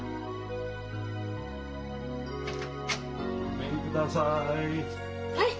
ごめんください。